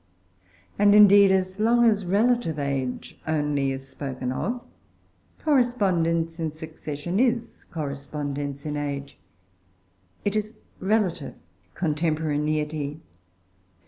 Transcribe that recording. And, indeed, so long as relative age only is spoken of, correspondence in succession is correspondence in age; it is relative contemporaneity.